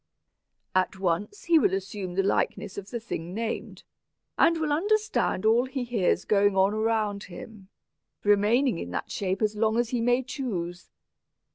"At once he will assume the likeness of the thing named, and will understand all he hears going on around him, remaining in that shape as long as he may choose.